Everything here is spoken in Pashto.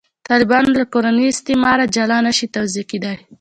طالبان له «کورني استعماره» جلا نه شي توضیح کېدای.